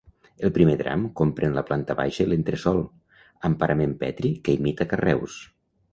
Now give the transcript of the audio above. El primer tram comprèn la planta baixa i l'entresòl, amb parament petri que imita carreus.